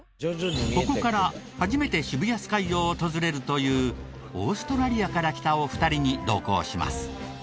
ここから初めて渋谷スカイを訪れるというオーストラリアから来たお二人に同行します。